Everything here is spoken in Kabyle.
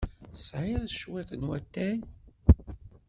Tesɛiḍ cwiṭ n watay?